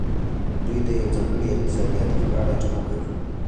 دوی د یو ځانګړي اقتصادي هدف په اړه اجماع کوي